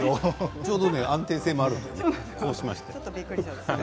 ちょうど安定性があるのでこうしました。